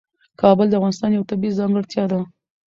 کابل د افغانستان یوه طبیعي ځانګړتیا ده.